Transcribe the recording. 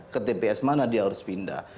ke tps mana dia harus pindah